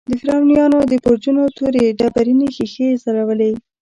د فرعونیانو د برجونو تورې ډبرینې ښیښې ځلولې.